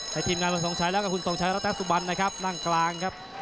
ทีมงานวันทรงชัยแล้วก็คุณทรงชัยรัตนสุบันนะครับนั่งกลางครับ